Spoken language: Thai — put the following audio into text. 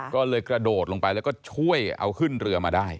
ก็เลยกระโดดลงไปแล้วก็ช่วยเอาขึ้นเรือมาได้